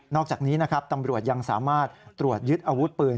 อกจากนี้นะครับตำรวจยังสามารถตรวจยึดอาวุธปืน